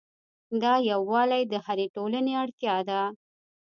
دا یووالی د هرې ټولنې اړتیا ده.